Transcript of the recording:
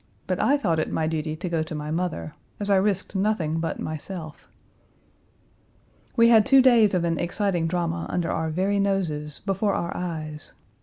But I thought it my duty to go to my mother, as I risked nothing but myself. We had two days of an exciting drama under our very noses, before our eyes.